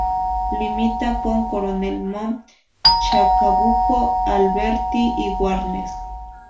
Limita con Coronel Mom, Chacabuco, Alberti y Warnes.